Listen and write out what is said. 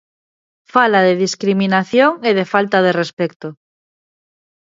Fala de discriminación e de falta de respecto.